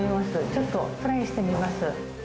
ちょっとトライしてみます